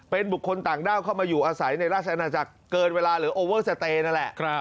เป็นบุคคลต่างด้าวเข้ามาอยู่อาศัยในราชอาณาจักรเกินเวลาหรือโอเวอร์สเตย์นั่นแหละ